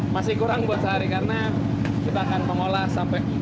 masih kurang buat sehari karena kita akan mengolah sampai empat puluh kg daging